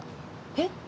えっ？